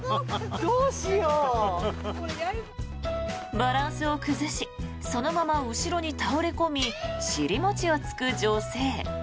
バランスを崩しそのまま後ろに倒れ込み尻餅をつく女性。